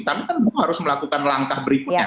tapi kan harus melakukan langkah berikutnya